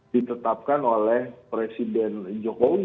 ditetapkan oleh presiden jokowi